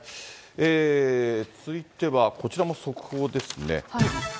続いてはこちらも速報ですね。